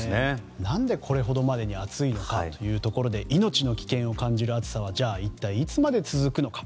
何でこれほどまでに暑いのかというところで命の危険を感じる暑さは一体いつまで続くのか。